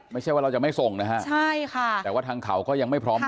ไม่ใช่ว่าเราจะไม่ส่งนะฮะใช่ค่ะแต่ว่าทางเขาก็ยังไม่พร้อม